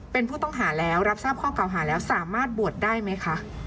เป็นผู้ต้องหาแล้วรับทราบข้อเก่าหาแล้วสามารถบวชได้ไหมคะ